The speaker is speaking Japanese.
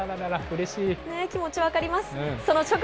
気持ち分かります。